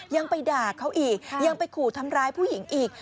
ยังไปด่าเขาอีกยังไปขู่ทำร้ายผู้หญิงอีก